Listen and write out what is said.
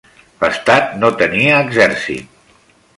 L'estat no tenia exèrcit.